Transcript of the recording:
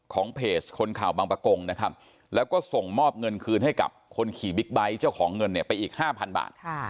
เพจคนข่าวบางประกงนะครับแล้วก็ส่งมอบเงินคืนให้กับคนขี่บิ๊กไบท์เจ้าของเงินเนี่ยไปอีก๕๐๐บาท